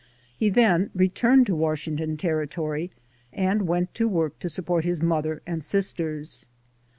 He then returned to Washington Territory and went to work to support his mother and sisters.